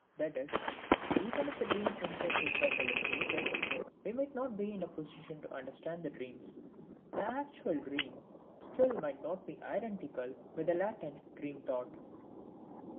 That is, even if the dream censorship were eliminated we might not be in a position to understand the dreams; the actual dream still might not be identical with the latent dream thought.